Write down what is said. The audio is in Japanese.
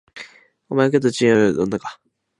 お前が工藤新一っちゅう女か